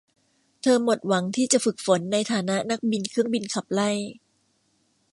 เธอหมดหวังที่จะฝึกฝนในฐานะนักบินเครื่องบินขับไล่